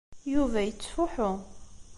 Yuba yettfuḥu.